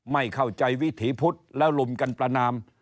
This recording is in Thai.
ไม่เข้าใจวิถีพุทธแล้วลุมกันประนาม